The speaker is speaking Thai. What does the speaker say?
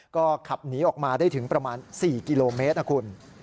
ก็ขับหนีออกมาได้ถึงประมาณ๔กิโลเมตรนะคุณ